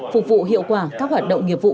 phục vụ hiệu quả các hoạt động nghiệp vụ